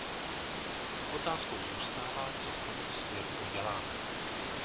Otázkou zůstává, co v tomto směru uděláme.